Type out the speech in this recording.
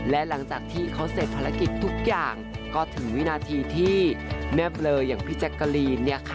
แล้วก็ถึงวินาทีที่แม่เบลออย่างพี่แจ็คกาลีนเนี่ยค่ะ